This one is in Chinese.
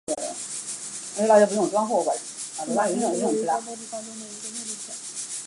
群马县是位于关东地方中部的一个内陆县。